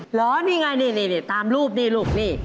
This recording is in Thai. เหรอนี่ไงนี่ตามรูปนี่รูปนี่